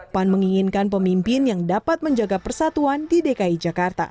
pan menginginkan pemimpin yang dapat menjaga persatuan di dki jakarta